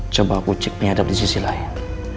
coba aku cek penyadap di sisi lain